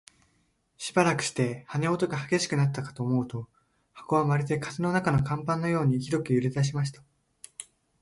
しばらくして、羽音が烈しくなったかと思うと、箱はまるで風の中の看板のようにひどく揺れだしました。